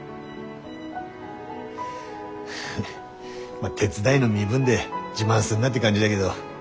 まあ手伝いの身分で自慢すんなって感じだげど